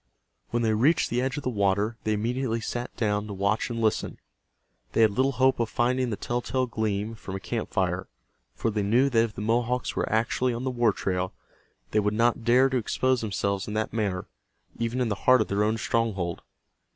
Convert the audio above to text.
When they reached the edge of the water they immediately sat down to watch and listen. They had little hope of finding the telltale gleam from a camp fire, for they knew that if the Mohawks were actually on the war trail they would not dare to expose themselves in that manner, even in the heart of their own stronghold.